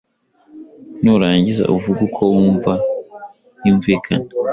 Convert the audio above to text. nurangiza uvuge uko wumva yumvikana.